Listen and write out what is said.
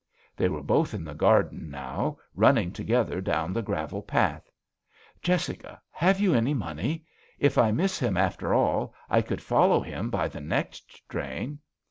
They were both in the garden, now running together down the gravel path. Jessica, have you any money? If I miss him after all, I could follow him by the next train."